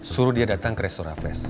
suruh dia datang ke restoran flash